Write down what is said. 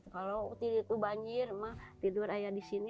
kalau itu banjir emak tidur aja di sini